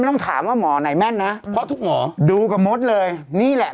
ต้องถามว่าหมอไหนแม่นนะเพราะทุกหมอดูกับมดเลยนี่แหละ